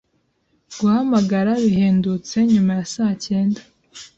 Guhamagara bihendutse nyuma ya saa cyenda?